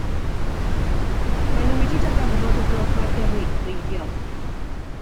Maen nhw wedi darganfod y gloddfa gerrig wreiddiol.